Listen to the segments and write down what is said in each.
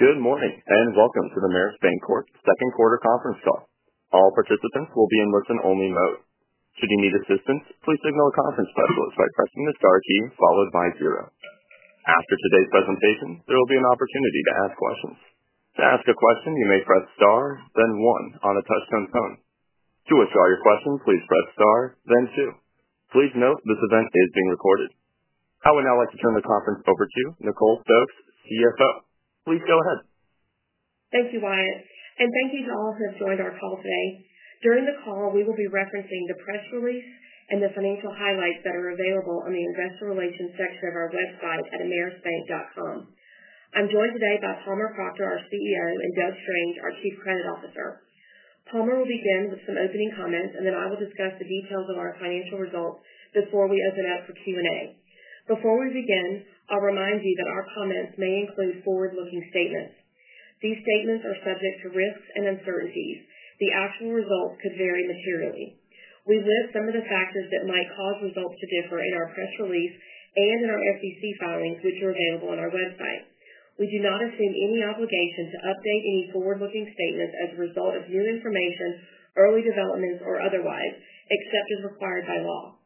Good morning and welcome to the Ameris Bancorp second quarter conference call. All participants will be in listen-only mode. Should you need assistance, please signal a conference specialist by pressing the star key followed by zero. After today's presentation, there will be an opportunity to ask questions. To ask a question, you may press star, then one on a touch-tone phone. To withdraw your question, please press star, then two. Please note this event is being recorded. I would now like to turn the conference over to Nicole Stokes, CFO. Please go ahead. Thank you, Wyatt. Thank you to all who have joined our call today. During the call, we will be referencing the press release and the financial highlights that are available on the investor relations section of our website at amerisbank.com. I'm joined today by Palmer Proctor, our CEO, and Douglas Strange, our Chief Credit Officer. Palmer will begin with some opening comments, then I will discuss the details of our financial results before we open up for Q&A. Before we begin, I'll remind you that our comments may include forward-looking statements. These statements are subject to risks and uncertainties. The actual results could vary materially. We list some of the factors that might cause results to differ in our press release and in our SEC filings, which are available on our website. We do not assume any obligation to update any forward-looking statements as a result of new information, early developments, or otherwise, except as required by law.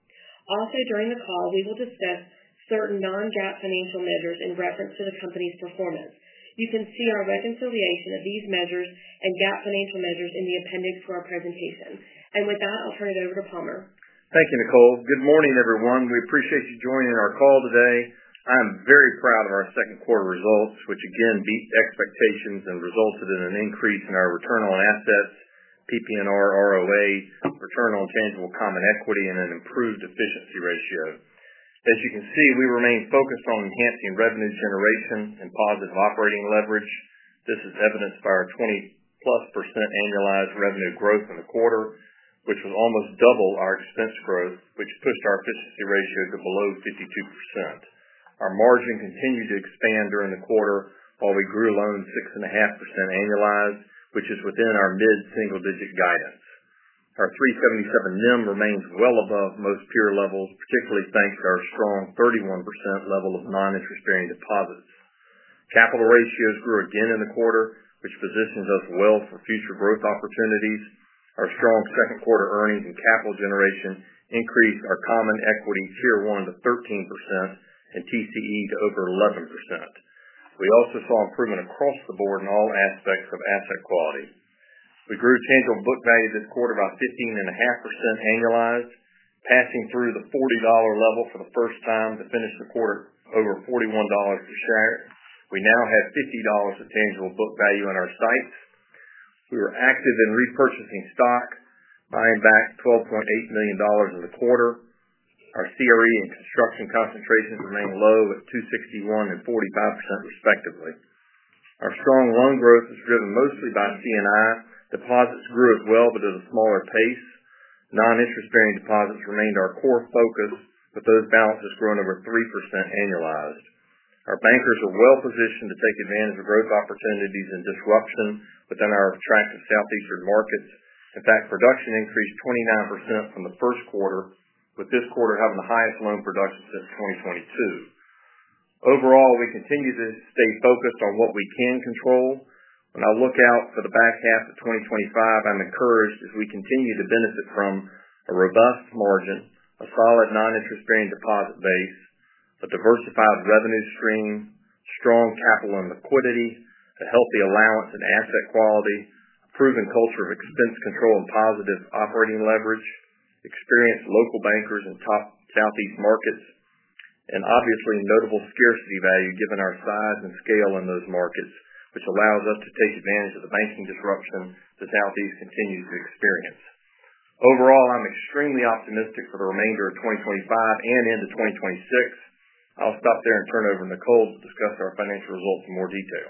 Also, during the call, we will discuss certain non-GAAP financial measures in reference to the company's performance. You can see our reconciliation of these measures and GAAP financial measures in the appendix for our presentation. With that, I'll turn it over to Palmer. Thank you, Nicole. Good morning, everyone. We appreciate you joining our call today. I am very proud of our second quarter results, which again beat expectations and resulted in an increase in our return on assets, PP&R ROA, return on tangible common equity, and an improved efficiency ratio. As you can see, we remain focused on enhancing revenue generation and positive operating leverage. This is evidenced by our 20+% annualized revenue growth in the quarter, which was almost double our expense growth, which pushed our efficiency ratio to below 52%. Our margin continued to expand during the quarter while we grew loan 6.5% annualized, which is within our mid-single-digit guidance. Our 3.77% NIM remains well above most peer levels, particularly thanks to our strong 31% level of non-interest-bearing deposits. Capital ratios grew again in the quarter, which positions us well for future growth opportunities. Our strong second quarter earnings and capital generation increased our common equity tier one to 13% and TCE to over 11%. We also saw improvement across the board in all aspects of asset quality. We grew tangible book value this quarter by 15.5% annualized, passing through the $40 level for the first time to finish the quarter over $41 per share. We now have $50 of tangible book value in our sights. We were active in repurchasing stock, buying back $12.8 million in the quarter. Our CRE and construction concentrations remain low at 2.61% and 0.45% respectively. Our strong loan growth is driven mostly by CNI. Deposits grew as well, but at a smaller pace. Non-interest-bearing deposits remained our core focus, with those balances growing over 3% annualized. Our bankers are well-positioned to take advantage of growth opportunities and disruption within our attractive Southeastern U.S. markets. In fact, production increased 29% from the first quarter, with this quarter having the highest loan production since 2022. Overall, we continue to stay focused on what we can control. When I look out for the back half of 2025, I'm encouraged as we continue to benefit from a robust margin, a solid non-interest-bearing deposit base, a diversified revenue stream, strong capital and liquidity, a healthy allowance and asset quality, a proven culture of expense control and positive operating leverage, experienced local bankers in top Southeast markets, and obviously notable scarcity value given our size and scale in those markets, which allows us to take advantage of the banking disruption the Southeast continues to experience. Overall, I'm extremely optimistic for the remainder of 2025 and into 2026. I'll stop there and turn it over to Nicole to discuss our financial results in more detail.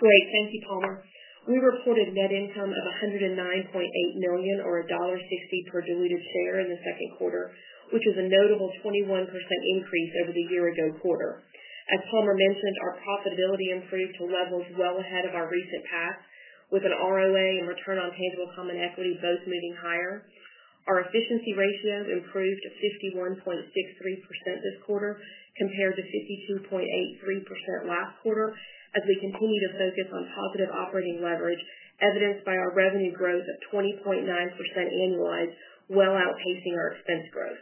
Great. Thank you, Palmer. We reported net income of $109.8 million or $1.60 per diluted share in the second quarter, which is a notable 21% increase over the year-ago quarter. As Palmer mentioned, our profitability improved to levels well ahead of our recent past, with an ROA and return on tangible common equity both moving higher. Our efficiency ratio improved to 51.63% this quarter compared to 52.83% last quarter, as we continue to focus on positive operating leverage evidenced by our revenue growth of 20.9% annualized, well outpacing our expense growth.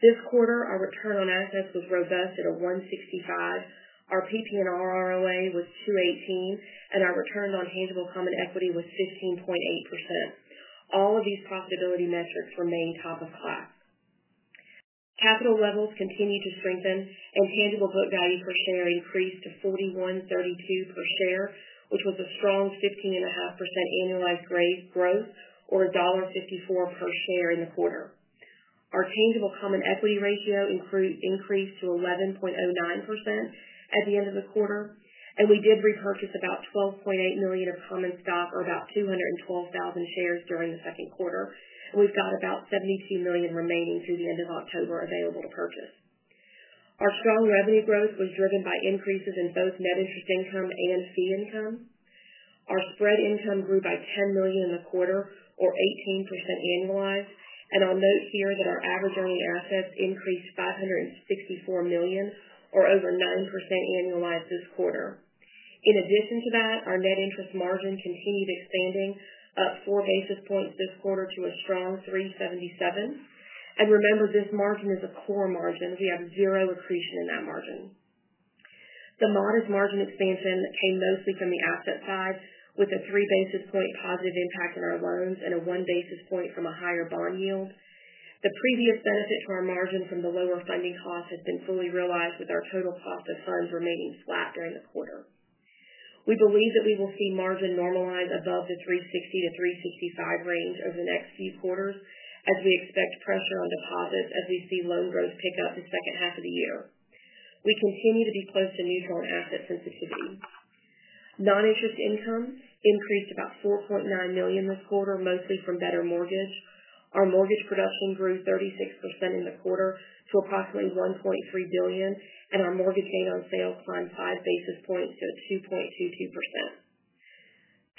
This quarter, our return on assets was robust at 1.65%. Our PP&R ROA was 2.18%, and our return on tangible common equity was 15.8%. All of these profitability metrics remain top of class. Capital levels continue to strengthen, and tangible book value per share increased to $41.32 per share, which was a strong 15.5% annualized growth or $1.54 per share in the quarter. Our tangible common equity ratio increased to 11.09% at the end of the quarter, and we did repurchase about $12.8 million of common stock or about 212,000 shares during the second quarter. We have about $72 million remaining through the end of October available to purchase. Our strong revenue growth was driven by increases in both net interest income and fee income. Our spread income grew by $10 million in the quarter or 18% annualized. I'll note here that our average earning assets increased $564 million or over 9% annualized this quarter. In addition to that, our net interest margin continued expanding, up four basis points this quarter to a strong 3.77%. This margin is a core margin. We have zero accretion in that margin. The modest margin expansion came mostly from the asset side, with a three basis point positive impact on our loans and a one basis point from a higher bond yield. The previous benefit to our margin from the lower funding cost has been fully realized, with our total cost of funds remaining flat during the quarter. We believe that we will see margin normalize above the 3.60%-3.65% range over the next few quarters, as we expect pressure on deposits as we see loan growth pick up the second half of the year. We continue to be close to neutral on asset sensitivity. Non-interest income increased about $4.9 million this quarter, mostly from better mortgage. Our mortgage production grew 36% in the quarter to approximately $1.3 billion, and our mortgage gain on sales climbed five basis points to 2.22%.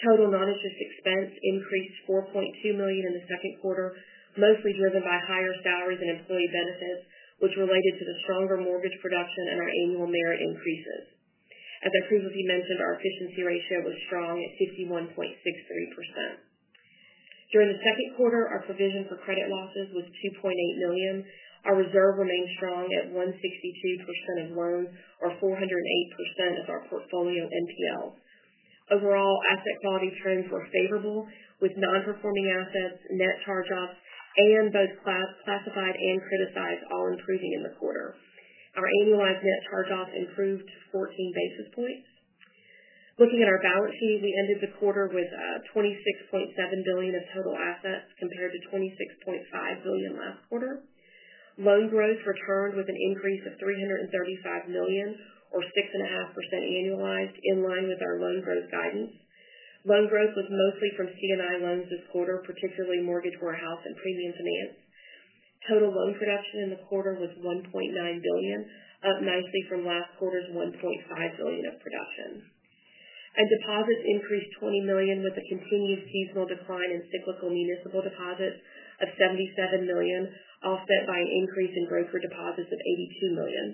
Total non-interest expense increased $4.2 million in the second quarter, mostly driven by higher salaries and employee benefits, which related to the stronger mortgage production and our annual merit increases. As I previously mentioned, our efficiency ratio was strong at 51.63%. During the second quarter, our provision for credit losses was $2.8 million. Our reserve remained strong at 1.62% of loans or 4.08% of our portfolio NPL. Overall, asset quality trends were favorable, with non-performing assets, net charge-offs, and both classified and criticized all improving in the quarter. Our annualized net charge-offs improved to 14 basis points. Looking at our balance sheet, we ended the quarter with $26.7 billion of total assets compared to $26.5 billion last quarter. Loan growth returned with an increase of $335 million or 6.5% annualized, in line with our loan growth guidance. Loan growth was mostly from CNI loans this quarter, particularly mortgage warehouse and premium finance. Total loan production in the quarter was $1.9 billion, up nicely from last quarter's $1.5 billion of production. Deposits increased $20 million with a continued seasonal decline in cyclical municipal deposits of $77 million, offset by an increase in broker deposits of $82 million.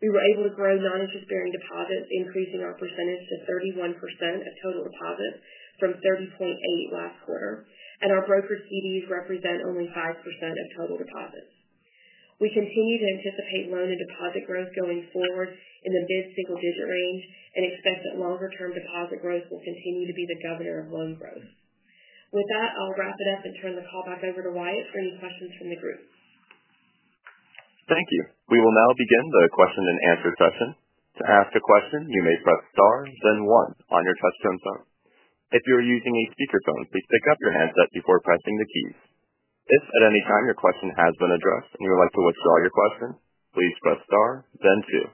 We were able to grow non-interest-bearing deposits, increasing our percentage to 31% of total deposits from 30.8% last quarter. Our broker CDs represent only 5% of total deposits. We continue to anticipate loan and deposit growth going forward in the mid-single-digit range and expect that longer-term deposit growth will continue to be the governor of loan growth. With that, I'll wrap it up and turn the call back over to Wyatt for any questions from the group. Thank you. We will now begin the question-and-answer session. To ask a question, you may press star, then one on your touch-tone phone. If you're using a speaker phone, please pick up your headset before pressing the keys. If at any time your question has been addressed and you would like to withdraw your question, please press star, then two.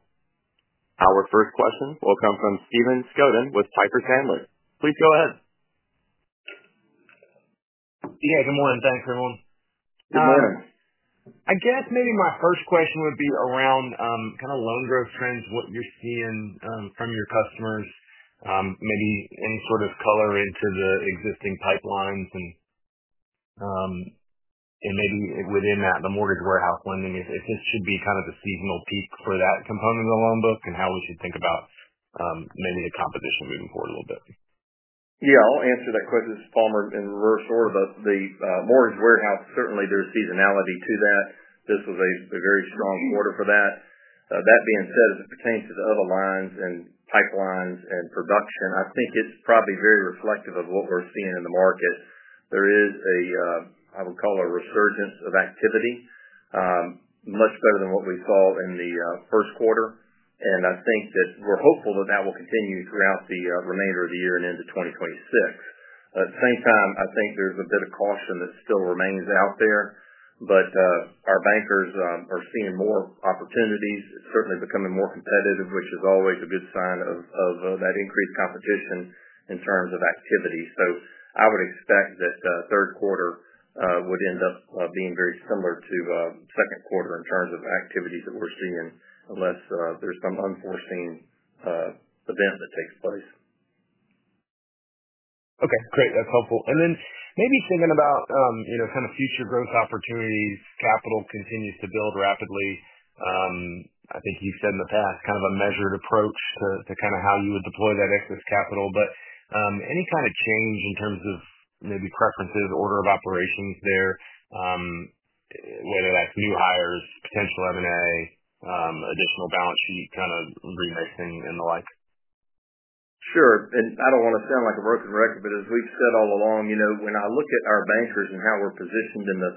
Our first question will come from Stephen Scouten with Piper Sandler. Please go ahead. Good morning. Thanks, everyone. Good morning. I guess maybe my first question would be around kind of loan growth trends, what you're seeing from your customers, maybe any sort of color into the existing pipelines and maybe within that, the mortgage warehouse lending, if this should be kind of the seasonal peak for that component of the loan book and how we should think about maybe the composition moving forward a little bit. Yeah. I'll answer that question, Palmer, in reverse order. The mortgage warehouse, certainly, there's seasonality to that. This was a very strong quarter for that. That being said, as it pertains to the other lines and pipelines and production, I think it's probably very reflective of what we're seeing in the market. There is a, I would call it a resurgence of activity, much better than what we saw in the first quarter. I think that we're hopeful that that will continue throughout the remainder of the year and into 2026. At the same time, I think there's a bit of caution that still remains out there. Our bankers are seeing more opportunities. It's certainly becoming more competitive, which is always a good sign of that increased competition in terms of activity. I would expect that the third quarter would end up being very similar to the second quarter in terms of activities that we're seeing unless there's some unforeseen event that takes place. Okay. Great. That's helpful. Maybe thinking about kind of future growth opportunities, capital continues to build rapidly. I think you've said in the past kind of a measured approach to kind of how you would deploy that excess capital. Any kind of change in terms of maybe preferences, order of operations there, whether that's new hires, potential M&A, additional balance sheet kind of remixing and the like? Sure. I don't want to sound like a broken record, but as we've said all along, when I look at our bankers and how we're positioned in the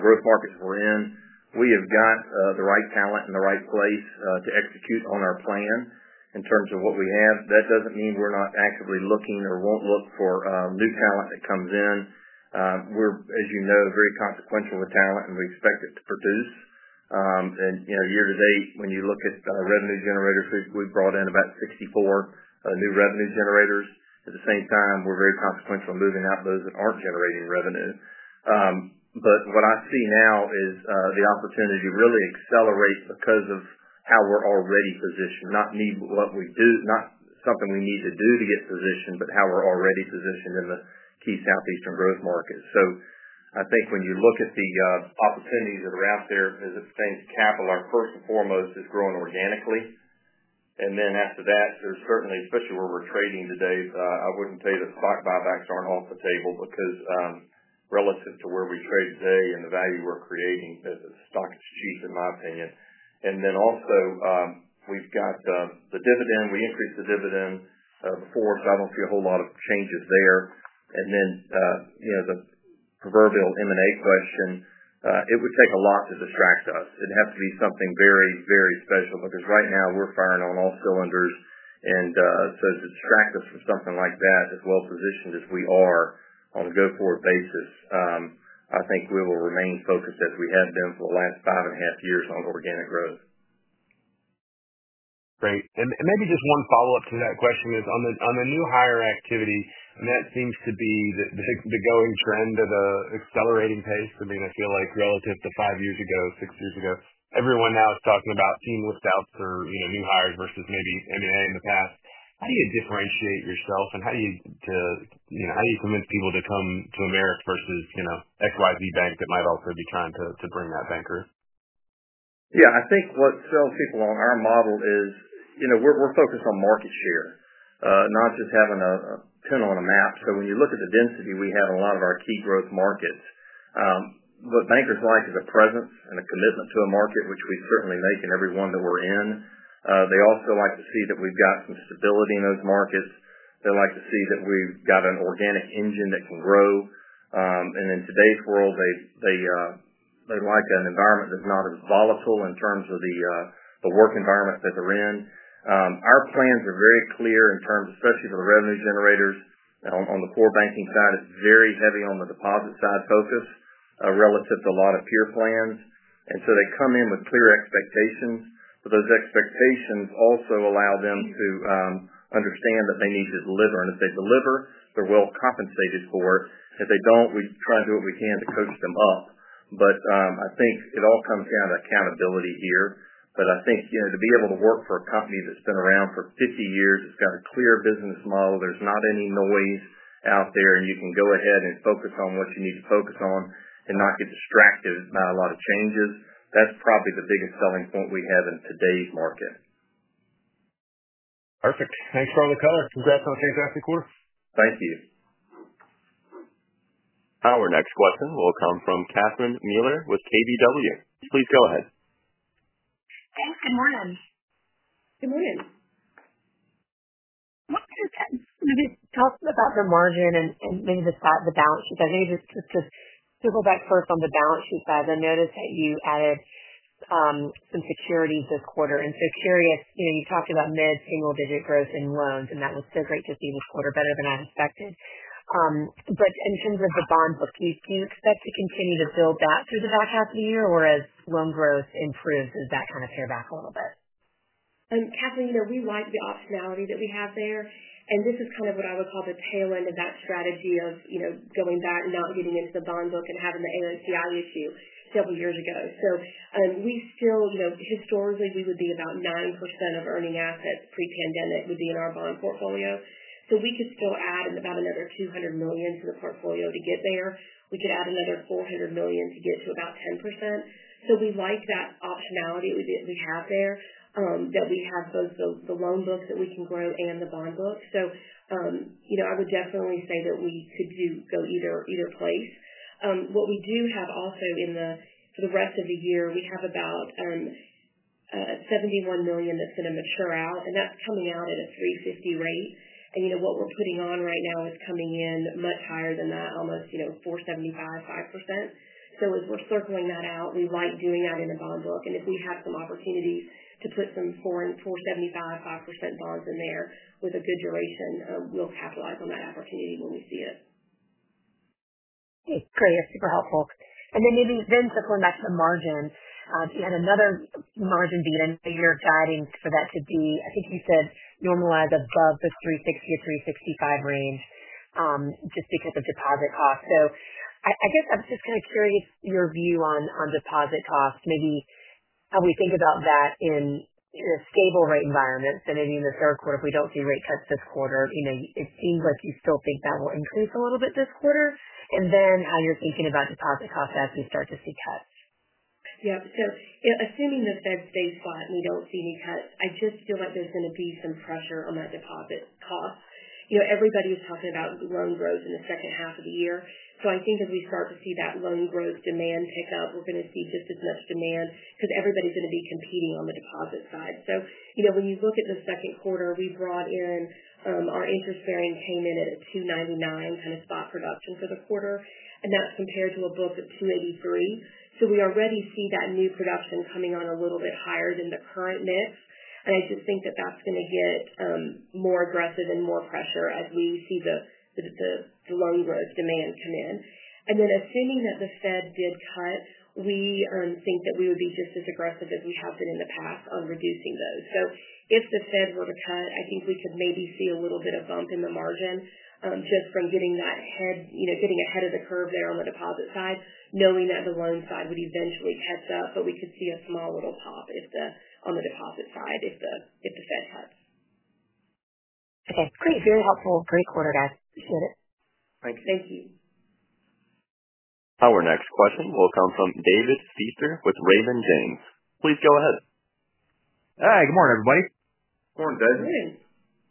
growth markets we're in, we have got the right talent in the right place to execute on our plan in terms of what we have. That doesn't mean we're not actively looking or won't look for new talent that comes in. We're, as you know, very consequential with talent, and we expect it to produce. You know, year to date, when you look at revenue generators, we've brought in about 64 new revenue generators. At the same time, we're very consequential in moving out those that aren't generating revenue. What I see now is the opportunity to really accelerate because of how we're already positioned, not need what we do, not something we need to do to get positioned, but how we're already positioned in the key Southeastern U.S. growth markets. I think when you look at the opportunities that are out there, as it pertains to capital, our first and foremost is growing organically. After that, there's certainly, especially where we're trading today, I wouldn't tell you that stock buybacks aren't off the table because relative to where we trade today and the value we're creating, the stock is cheap, in my opinion. Also, we've got the dividend. We increased the dividend before, so I don't see a whole lot of changes there. The proverbial M&A question, it would take a lot to distract us. It'd have to be something very, very special because right now we're firing on all cylinders. To distract us from something like that, as well-positioned as we are on a go-forward basis, I think we will remain focused as we have been for the last five and a half years on organic growth. Great. Maybe just one follow-up to that question is on the new hire activity, and that seems to be the going trend of an accelerating pace. I feel like relative to five years ago, six years ago, everyone now is talking about team liftouts or new hires versus maybe M&A in the past. How do you differentiate yourself, and how do you convince people to come to Ameris versus XYZ Bank that might also be trying to bring that banker in? Yeah. I think what sells people on our model is, you know, we're focused on market share, not just having a pin on a map. When you look at the density we have in a lot of our key growth markets, what bankers like is a presence and a commitment to a market, which we certainly make in every one that we're in. They also like to see that we've got some stability in those markets. They like to see that we've got an organic engine that can grow. In today's world, they like an environment that's not as volatile in terms of the work environment that they're in. Our plans are very clear, especially for the revenue generators. On the core banking side, it's very heavy on the deposit side focus relative to a lot of peer plans. They come in with clear expectations. Those expectations also allow them to understand that they need to deliver. If they deliver, they're well compensated for it. If they don't, we try and do what we can to coach them up. I think it all comes down to accountability here. To be able to work for a company that's been around for 50 years, that's got a clear business model, there's not any noise out there, and you can go ahead and focus on what you need to focus on and not get distracted by a lot of changes. That's probably the biggest selling point we have in today's market. Perfect. Thanks for all the color. Congrats on a fantastic quarter. Thank you. Our next question will come from Catherine Mealor with KBW. Please go ahead. Thanks. Good morning. We just talked about the margin and maybe the balance sheets. I need to circle back first on the balance sheet side. I noticed that you added some securities this quarter, and so curious, you know, you talked about mid-single-digit growth in loans, and that was so great to see this quarter, better than I expected. In terms of the bond book, do you expect to continue to build that through the back half of the year or as loan growth improves, does that kind of pare back a little bit? Catherine, you know, we like the optionality that we have there. This is kind of what I would call the tail end of that strategy of, you know, going back and not getting into the bond book and having the ANCI issue several years ago. We still, you know, historically, we would be about 9% of earning assets pre-pandemic would be in our bond portfolio. We could still add about another $200 million to the portfolio to get there. We could add another $400 million to get to about 10%. We like that optionality that we have there, that we have both the loan book that we can grow and the bond book. I would definitely say that we could go either place. What we do have also for the rest of the year, we have about $71 million that's going to mature out. That's coming out at a 3.50% rate, and you know, what we're putting on right now is coming in much higher than that, almost, you know, 4.75%, 5%. As we're circling that out, we like doing that in a bond book. If we have some opportunities to put some 4.75%, 5% bonds in there with a good duration, we'll capitalize on that opportunity when we see it. Great. That's super helpful. Maybe circling back to the margin, you had another margin beat and you're guiding for that to be, I think you said, normalized above the 360-365 range, just because of deposit costs. I guess I was just kind of curious your view on deposit costs, maybe how we think about that in a stable rate environment. Maybe in the third quarter, if we don't see rate cuts this quarter, it seems like you still think that will increase a little bit this quarter. Then how you're thinking about deposit costs as we start to see cuts. Yeah. Assuming the Fed stays flat and we don't see any cuts, I just feel like there's going to be some pressure on that deposit cost. Everybody is talking about loan growth in the second half of the year. I think as we start to see that loan growth demand pick up, we're going to see just as much demand because everybody's going to be competing on the deposit side. When you look at the second quarter, we brought in our interest-bearing payment at a $2.99 kind of spot production for the quarter, and that's compared to a book of $2.83. We already see that new production coming on a little bit higher than the current mix. I just think that that's going to get more aggressive and more pressure as we see the loan growth demand come in. Assuming that the Fed did cut, we think that we would be just as aggressive as we have been in the past on reducing those. If the Fed were to cut, I think we could maybe see a little bit of bump in the margin, just from getting ahead of the curve there on the deposit side, knowing that the loan side would eventually catch up. We could see a small little pop on the deposit side if the Fed cuts. Okay. Great. Very helpful. Great quarter, guys. Appreciate it. Thank you. Thank you. Our next question will come from David Feaster with Raymond James. Please go ahead. All right. Good morning, everybody. Morning, David. Morning.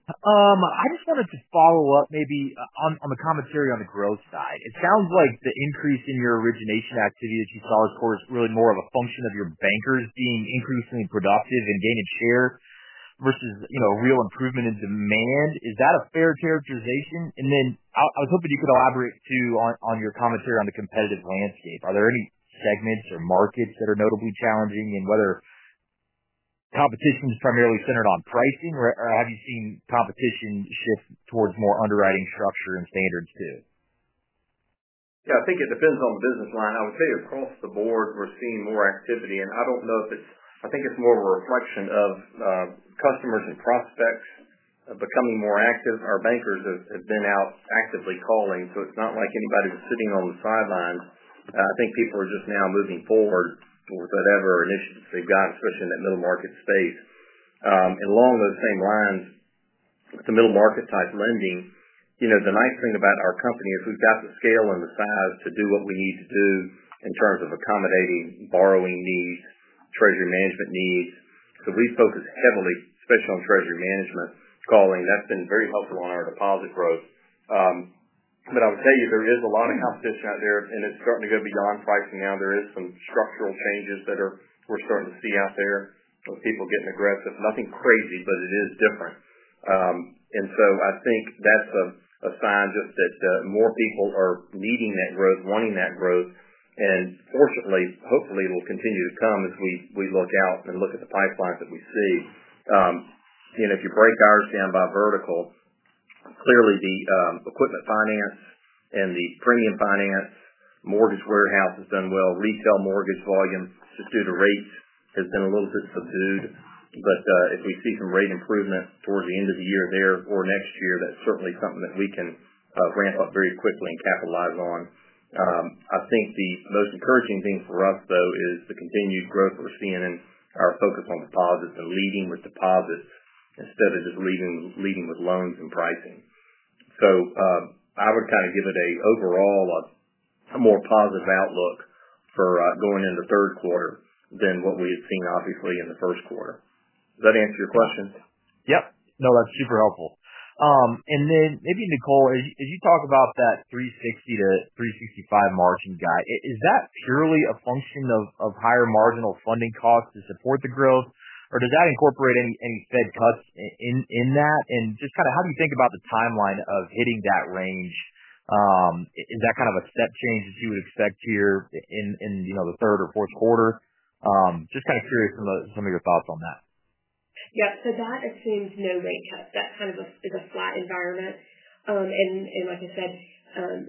I just wanted to follow up maybe on the commentary on the growth side. It sounds like the increase in your origination activity that you saw is really more of a function of your bankers being increasingly productive and gaining share versus, you know, a real improvement in demand. Is that a fair characterization? I was hoping you could elaborate too on your commentary on the competitive landscape. Are there any segments or markets that are notably challenging in whether competition is primarily centered on pricing, or have you seen competition shift towards more underwriting structure and standards too? Yeah. I think it depends on the business line. I would say across the board, we're seeing more activity. I think it's more of a reflection of customers and prospects becoming more active. Our bankers have been out actively calling. It's not like anybody was sitting on the sidelines. I think people are just now moving forward with whatever initiatives they've gotten, especially in that middle market space. Along those same lines, the middle market type lending, you know, the nice thing about our company is we've got the scale and the size to do what we need to do in terms of accommodating borrowing needs, treasury management needs. We focus heavily, especially on treasury management calling. That's been very helpful on our deposit growth. I would tell you there is a lot of competition out there, and it's starting to go beyond pricing now. There are some structural changes that we're starting to see out there with people getting aggressive. Nothing crazy, but it is different. I think that's a sign that more people are needing that growth, wanting that growth. Fortunately, hopefully, it'll continue to come as we look out and look at the pipelines that we see. You know, if you break ours down by vertical, clearly the equipment finance and the premium finance mortgage warehouse has done well. Retail mortgage volume, just due to rates, has been a little bit subdued. If we see some rate improvement towards the end of the year there or next year, that's certainly something that we can ramp up very quickly and capitalize on. I think the most encouraging thing for us, though, is the continued growth we're seeing in our focus on deposits and leading with deposits instead of just leading with loans and pricing. I would kind of give it an overall, a more positive outlook for going into the third quarter than what we had seen, obviously, in the first quarter. Does that answer your question? Yeah. No, that's super helpful. Maybe, Nicole, as you talk about that 3.60%-3.65% margin guide, is that purely a function of higher marginal funding costs to support the growth, or does that incorporate any Fed cuts in that? Just kind of how do you think about the timeline of hitting that range? Is that kind of a step change that you would expect here in the third or fourth quarter? Just kind of curious some of your thoughts on that. Yeah. That assumes no rate cuts. That is a flat environment. Like I said,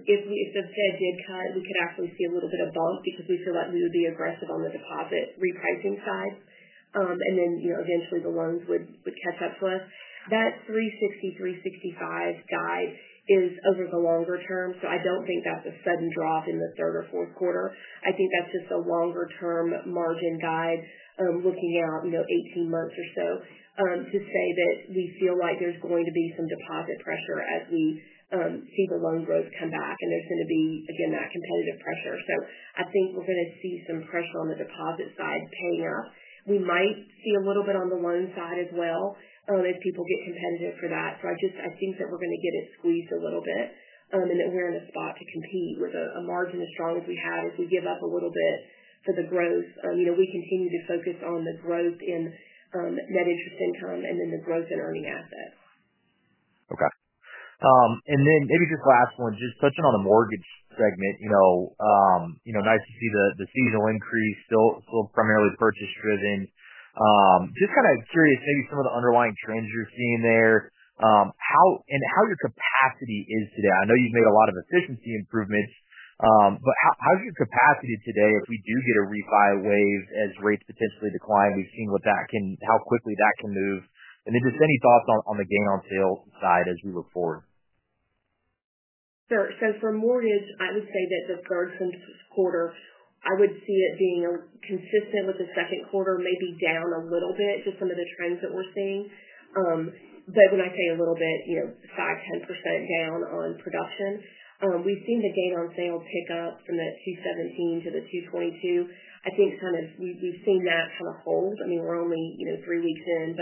if the Fed did cut, we could actually see a little bit of a bump because we feel like we would be aggressive on the deposit repricing side. Eventually, the loans would catch up to us. That 360, 365 guide is over the longer term. I don't think that's a sudden drop in the third or fourth quarter. That's just a longer-term margin guide, looking out 18 months or so, to say that we feel like there's going to be some deposit pressure as we see the loan growth come back. There's going to be, again, that competitive pressure. I think we're going to see some pressure on the deposit side paying up. We might see a little bit on the loan side as well, as people get competitive for that. I think that we're going to get squeezed a little bit, and that we're in a spot to compete with a margin as strong as we have if we give up a little bit for the growth. We continue to focus on the growth in net interest income and then the growth in earning assets. Okay, and then maybe just the last one, just touching on the mortgage segment. Nice to see the seasonal increase still primarily purchase-driven. Just kind of curious, maybe some of the underlying trends you're seeing there, and how your capacity is today. I know you've made a lot of efficiency improvements, but how's your capacity today if we do get a refi wave as rates potentially decline? We've seen what that can, how quickly that can move. Just any thoughts on the gain on sales side as we look forward. For mortgage, I would say that the third quarter, I would see it being consistent with the second quarter, maybe down a little bit to some of the trends that we're seeing. When I say a little bit, you know, 5%-10% down on production. We've seen the gain on sales pick up from that $217 to the $222. I think we've seen that kind of hold. I mean, we're only, you know, three weeks in.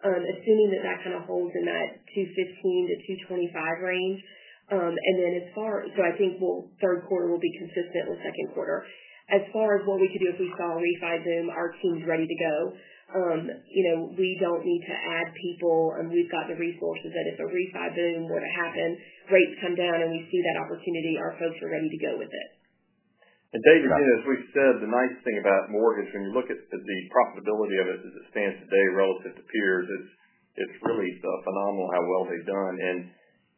Assuming that holds in that $215-$225 range. As far as what we could do if we saw a refi boom, our team's ready to go. We don't need to add people, and we've got the resources that if a refi boom were to happen, rates come down and we see that opportunity, our folks are ready to go with it. David, you know, as we've said, the nice thing about mortgage, when you look at the profitability of it as it stands today relative to peers, it's really phenomenal how well they've done.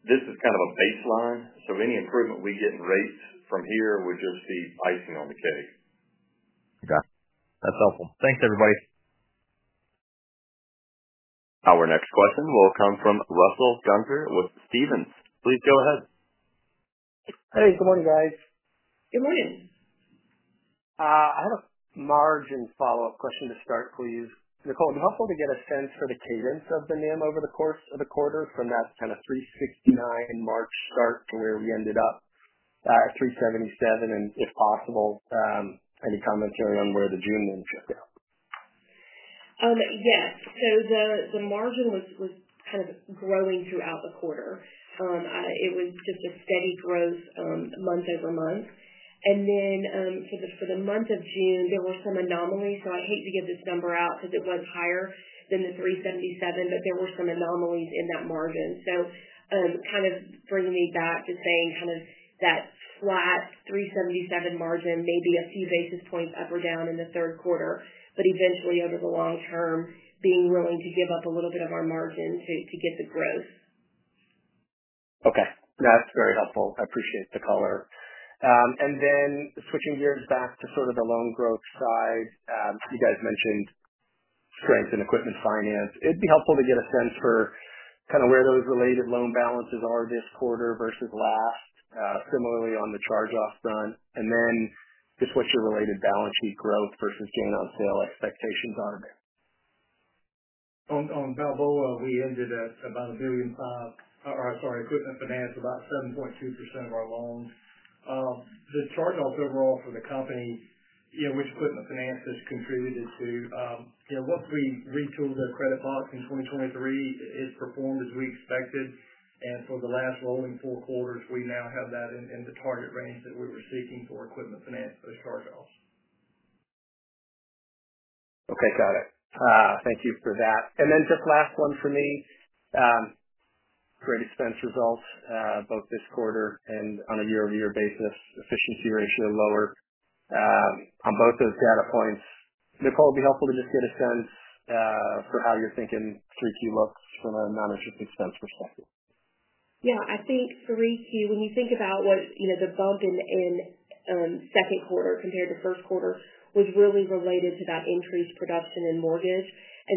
This is kind of a baseline. Any improvement we get in rates from here will just be icing on the cake. Okay. That's helpful. Thanks, everybody. Our next question will come from Russell Gunther with Stephens. Please go ahead. Hey, good morning, guys. Good morning. I have a margin follow-up question to start for you. Nicole, it'd be helpful to get a sense for the cadence of the NIM over the course of the quarter from that kind of 3.69% March start to where we ended up at 3.77%, and if possible, any commentary on where the June NIM shook down? Yes. The margin was kind of growing throughout the quarter. It was just a steady growth, month over month. For the month of June, there were some anomalies. I hate to give this number out because it was higher than the 377, but there were some anomalies in that margin. This brings me back to saying kind of that flat 377 margin, maybe a few basis points up or down in the third quarter, but eventually, over the long term, being willing to give up a little bit of our margin to get the growth. Okay. That's very helpful. I appreciate the color. Switching gears back to sort of the loan growth side, you guys mentioned strength in equipment finance. It'd be helpful to get a sense for kind of where those related loan balances are this quarter versus last, similarly on the charge-offs. Just what your related balance sheet growth versus gain on sale expectations are there. On Balboa, we ended at about $1.5 million, or sorry, equipment finance about 7.2% of our loans. The charge-offs overall for the company, which equipment finance has contributed to, once we retooled their credit box in 2023, it's performed as we expected. For the last rolling four quarters, we now have that in the target range that we were seeking for equipment finance post-charge-offs. Okay. Got it. Thank you for that. Just last one for me, great expense results, both this quarter and on a year-over-year basis, efficiency ratio lower on both those data points. Nicole, it'd be helpful to just get a sense for how you're thinking 3Q looks from a non-interest expense perspective. Yeah. I think 3Q, when you think about what the bump in second quarter compared to first quarter was, was really related to that increased production in mortgage.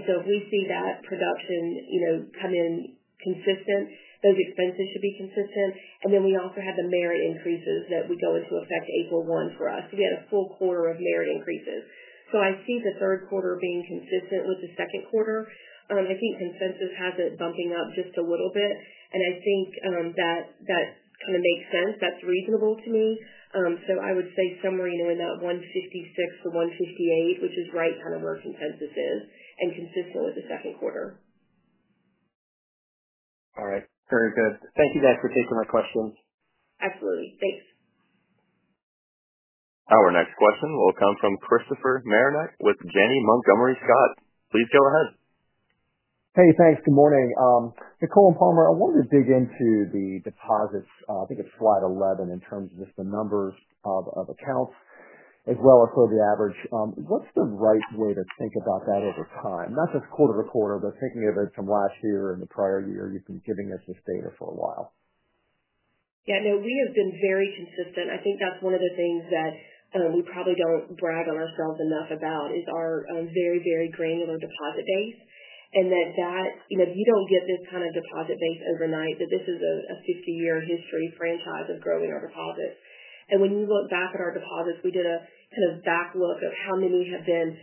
If we see that production come in consistent, those expenses should be consistent. We also had the merit increases that would go into effect April 1 for us, so we had a full quarter of merit increases. I see the third quarter being consistent with the second quarter. I think consensus has it bumping up just a little bit, and I think that kind of makes sense. That's reasonable to me. I would say somewhere in that $156 million-$158 million, which is right kind of where consensus is and consistent with the second quarter. All right. Very good. Thank you, guys, for taking my questions. Absolutely. Thanks. Our next question will come from Christopher Marinac with Janney Montgomery Scott. Please go ahead. Hey, thanks. Good morning. Nicole and Palmer, I wanted to dig into the deposits. I think it's slide 11 in terms of just the numbers of accounts as well as sort of the average. What's the right way to think about that over time, not just quarter to quarter, but thinking of it from last year and the prior year you've been giving us this data for a while? Yeah. No, we have been very consistent. I think that's one of the things that we probably don't brag on ourselves enough about is our very, very granular deposit base, and that, you know, you don't get this kind of deposit base overnight. This is a 50-year history franchise of growing our deposits. When you look back at our deposits, we did a kind of back look of how many have been,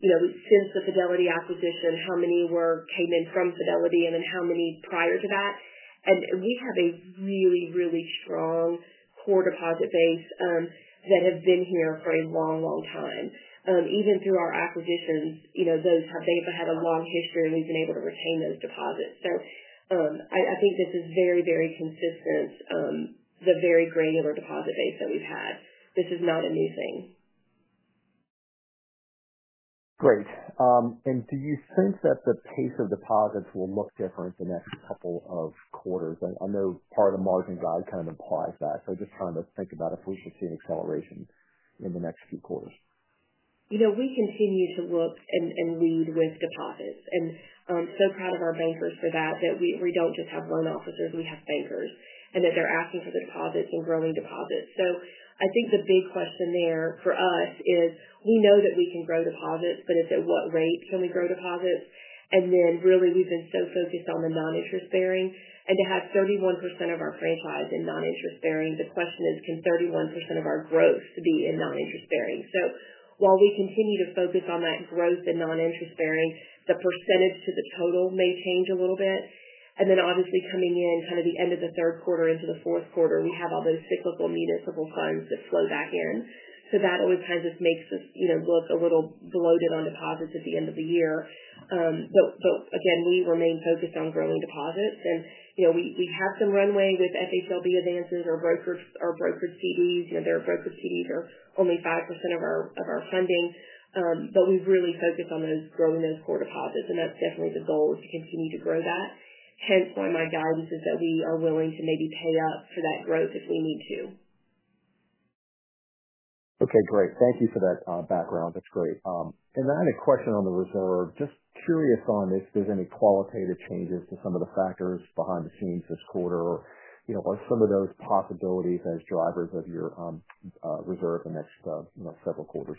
you know, since the Fidelity acquisition, how many came in from Fidelity, and then how many prior to that. We have a really, really strong core deposit base that have been here for a long, long time. Even through our acquisitions, they've had a long history and we've been able to retain those deposits. I think this is very, very consistent, the very granular deposit base that we've had. This is not a new thing. Do you think that the pace of deposits will look different the next couple of quarters? I know part of the margin guide kind of implies that. I'm just trying to think about if we're seeing acceleration in the next few quarters. We continue to look and lead with deposits. I'm so proud of our bankers for that, that we don't just have loan officers, we have bankers and they're asking for the deposits and growing deposits. I think the big question there for us is we know that we can grow deposits, but it's at what rate can we grow deposits? We've been so focused on the non-interest-bearing. To have 31% of our franchise in non-interest-bearing, the question is, can 31% of our growth be in non-interest-bearing? While we continue to focus on that growth in non-interest-bearing, the percentage to the total may change a little bit. Obviously, coming in kind of the end of the third quarter into the fourth quarter, we have all those cyclical municipal funds that flow back in. That always kind of just makes us look a little bloated on deposits at the end of the year. Again, we remain focused on growing deposits. We have some runway with FHLB advances or brokered CDs. Brokered CDs are only 5% of our funding. We really focus on those, growing those core deposits. That's definitely the goal, to continue to grow that. Hence why my guidance is that we are willing to maybe pay up for that growth if we need to. Okay. Great. Thank you for that background. That's great. I had a question on the reserve. Just curious if there's any qualitative changes to some of the factors behind the scenes this quarter, or are some of those possibilities as drivers of your reserve in the next several quarters?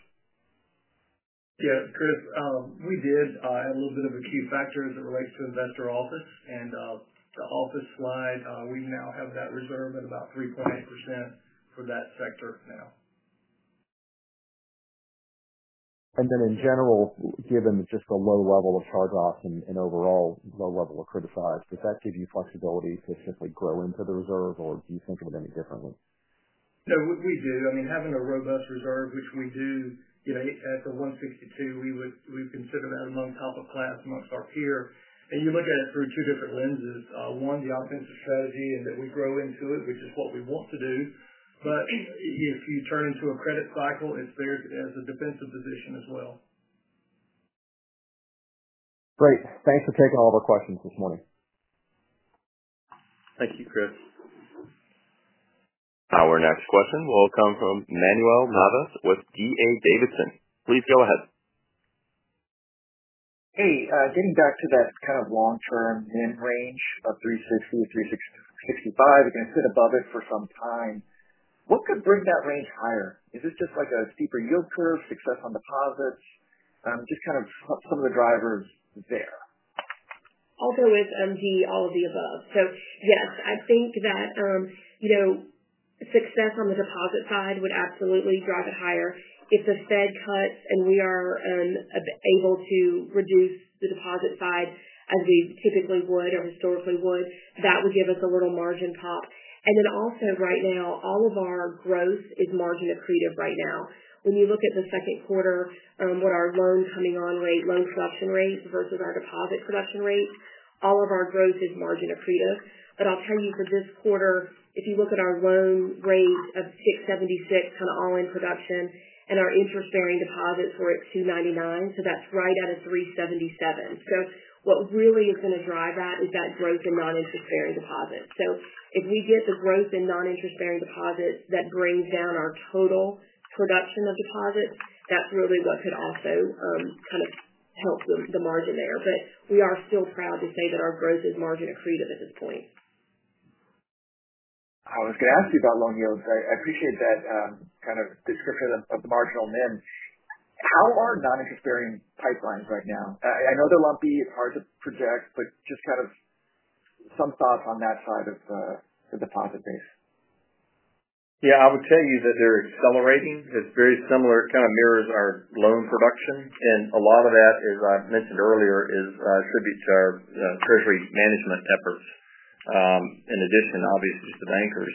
Yeah, Chris, we did add a little bit of acute factors that relate to investor office. The office slide, we now have that reserve at about 3.8% for that sector now. Given just the low level of charge-offs and overall low level of criticized, does that give you flexibility to simply grow into the reserve, or do you think of it any differently? No, we do. I mean, having a robust reserve, which we do, at the $162 million, we would consider that among top of class amongst our peer. You look at it through two different lenses. One, the offensive strategy in that we grow into it, which is what we want to do. If you turn into a credit cycle, it's there as a defensive position as well. Great. Thanks for taking all the questions this morning. Thank you, Chris. Our next question will come from Manuel Navas with D.A. Davidson. Please go ahead. Hey, getting back to that kind of long-term NIM range of 360-365, we're going to sit above it for some time. What could bring that range higher? Is it just like a steeper yield curve, success on deposits? Just kind of some of the drivers there. Although it's all of the above. Yes, I think that, you know, success on the deposit side would absolutely drive it higher. If the Fed cuts and we are able to reduce the deposit side as we typically would or historically would, that would give us a little margin pop. Also, right now, all of our growth is margin-accretive right now. When you look at the second quarter, what our loan coming on rate, loan production rate versus our deposit production rate, all of our growth is margin-accretive. I'll tell you for this quarter, if you look at our loan rate of 6.76%, kind of all-in production, and our interest-bearing deposits were at 2.99%, so that's right out of 3.77%. What really is going to drive that is that growth in non-interest-bearing deposits. If we get the growth in non-interest-bearing deposits that brings down our total production of deposits, that's really what could also kind of help the margin there. We are still proud to say that our growth is margin-accretive at this point. I was going to ask you about loan yields. I appreciate that kind of description of the marginal NIM. How are non-interest-bearing pipelines right now? I know they're lumpy. It's hard to project, but just kind of some thoughts on that side of the deposit base. Yeah. I would tell you that they're accelerating. It's very similar, kind of mirrors our loan production. A lot of that, as I mentioned earlier, is a tribute to our treasury management efforts, in addition, obviously, to the bankers.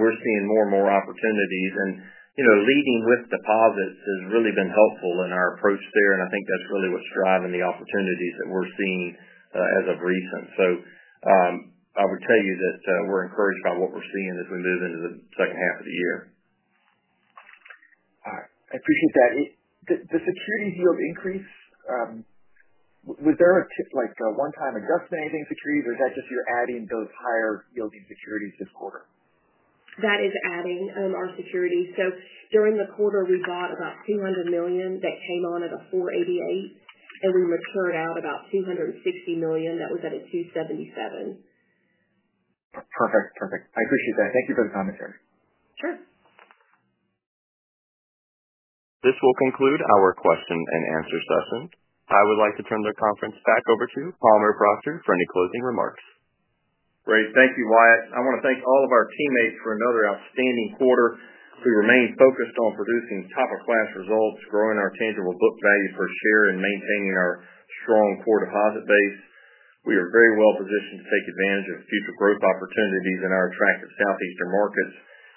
We're seeing more and more opportunities. You know, leading with deposits has really been helpful in our approach there. I think that's really what's driving the opportunities that we're seeing as of recent. I would tell you that we're encouraged by what we're seeing as we move into the second half of the year. All right. I appreciate that. The securities yield increase, was there a one-time adjustment in anything securities, or is that just you're adding those higher yielding securities this quarter? That is adding our securities. During the quarter, we bought about $200 million that came on at a 4.88%. We matured out about $260 million that was at a 2.77%. Perfect. Perfect. I appreciate that. Thank you for the commentary. Sure. This will conclude our question-and-answer session. I would like to turn the conference back over to Palmer Proctor for any closing remarks. Great. Thank you, Wyatt. I want to thank all of our teammates for another outstanding quarter. We remain focused on producing top-of-class results, growing our tangible book value per share, and maintaining our strong core deposit base. We are very well positioned to take advantage of future growth opportunities in our attractive Southeastern U.S. markets.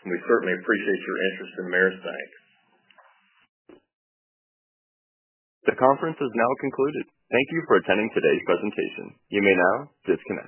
We certainly appreciate your interest in Ameris Bancorp. The conference is now concluded. Thank you for attending today's presentation. You may now disconnect.